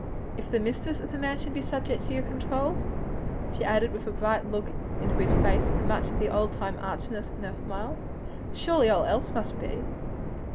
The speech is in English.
If the mistress of the mansion be subject to your control," she added, with a bright look up into his face, and much of the old time archness in her smile, "surely all else must be."